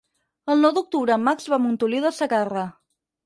El nou d'octubre en Max va a Montoliu de Segarra.